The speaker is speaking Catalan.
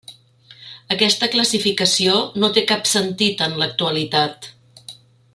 Aquesta classificació no té cap sentit en l'actualitat.